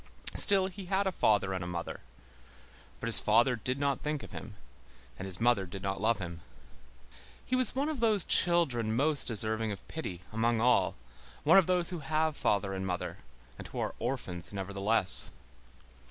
Still, he had a father and a mother. But his father did not think of him, and his mother did not love him. He was one of those children most deserving of pity, among all, one of those who have father and mother, and who are orphans nevertheless.